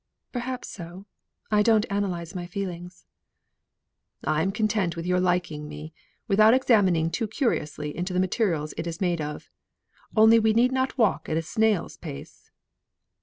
"Perhaps so. I don't analyse my feelings." "I am content to take your liking me, without examining too curiously into the materials it is made of. Only we need not walk at a snail's pace."